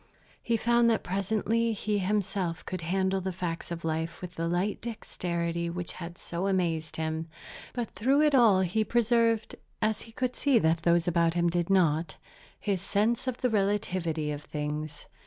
He found that presently he himself could handle the facts of life with the light dexterity which had so amazed him; but through it all he preserved (as he could see that those about him did not) his sense of the relativity of things.